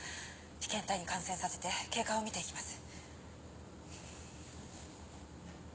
被験体に感染させて経過を見て行きます。